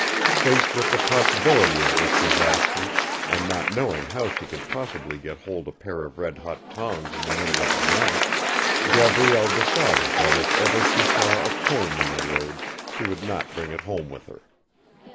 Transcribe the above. Faced with the possibility of this disaster, and not knowing how she could possibly get hold of a pair of red hot tongs in the middle of the night, Gabrielle decided that if ever she saw a comb in the road, she would not bring it home with her.